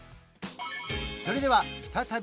それでは再び